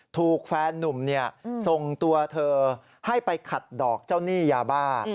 ถูกแฟนนุ่มส่งตัวเธอให้ไปขัดดอกเจ้าหนี้ยาบ้า